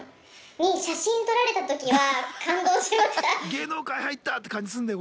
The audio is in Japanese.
「芸能界入った！」って感じすんだよ